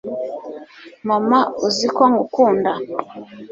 mama, uziko ngukunda